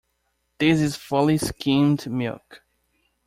This is fully skimmed milk.